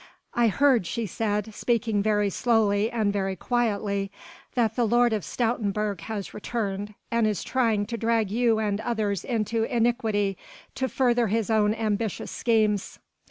"I heard," she said, speaking very slowly and very quietly, "that the Lord of Stoutenburg has returned, and is trying to drag you and others into iniquity to further his own ambitious schemes."